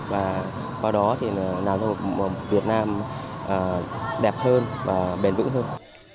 và qua đó thì làm cho một việt nam đẹp hơn và bền vững hơn